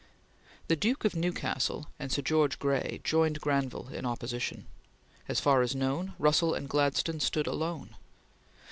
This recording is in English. The Duke of Newcastle and Sir George Grey joined Granville in opposition. As far as known, Russell and Gladstone stood alone.